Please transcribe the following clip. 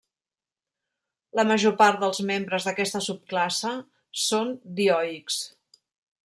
La major part dels membres d'aquesta subclasse són dioics.